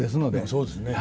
そうですね。